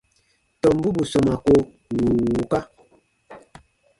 Tɔmbu bù sɔmaa ko wùu wùuka.